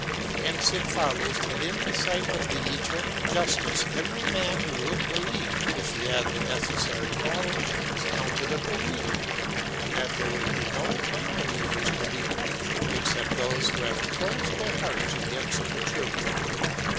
Hence it follows that in the sight of the Eternal Justice every man who would believe if he had the necessary knowledge is counted a believer, and that there will be no unbelievers to be punished except those who have closed their hearts against the truth.